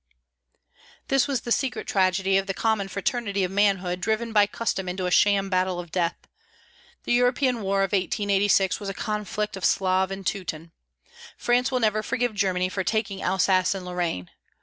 This was the secret tragedy of the common fraternity of manhood driven by custom into a sham battle of death. The European war of 1886 was a conflict of Slav and Teuton. France will never forgive Germany for taking Alsace and Lorraine.